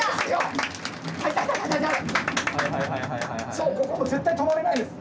そうここ絶対止まれないです。